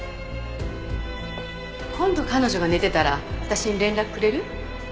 今度彼女が寝てたら私に連絡くれる？